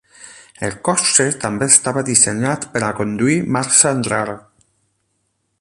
El cotxe també estava dissenyat per conduir marxa enrere.